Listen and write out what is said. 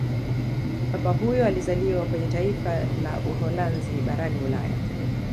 papa huyo alizaliwa kwenye taifa la Uholanzi barani ulaya